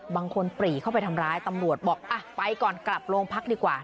ปรีเข้าไปทำร้ายตำรวจบอกอ่ะไปก่อนกลับโรงพักดีกว่า